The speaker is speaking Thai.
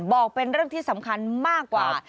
บอกเป็นเรื่องที่สำคัญมากกว่า